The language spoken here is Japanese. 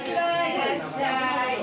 いらっしゃい。